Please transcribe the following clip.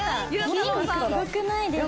筋肉すごくないですか？